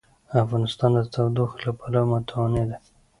افغانستان د تودوخه له پلوه متنوع دی.